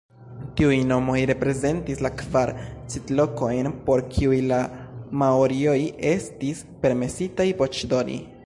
Tiuj nomoj reprezentis la kvar sidlokojn por kiuj la maorioj estis permesitaj voĉdoni.